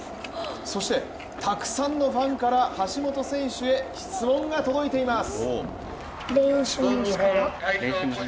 そして、たくさんのファンから橋本選手へ質問が届いています。